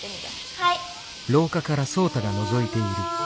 はい。